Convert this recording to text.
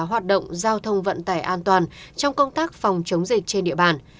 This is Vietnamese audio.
hoạt động giao thông vận tải an toàn trong công tác phòng chống dịch trên địa bàn